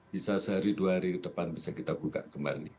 bisa sehari dua hari ke depan bisa kita buka kembali